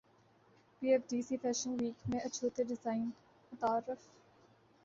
پی F D C fashion week میں اچھوتے design متعارف